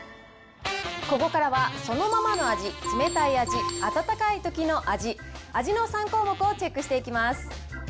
ここからはそのままの味、冷たい味、温かいときの味、味の３項目をチェックしていきます。